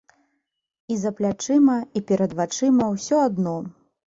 І за плячыма, і перад вачыма ўсё адно.